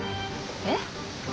えっ？